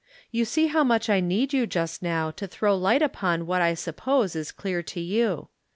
You see how much I need you just now to throw light upon what I suppose is clear to you.